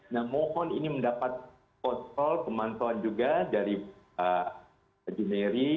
nah mohon ini mendapat kontrol pemantauan juga dari pak junery